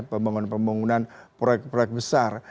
pembangunan pembangunan proyek proyek besar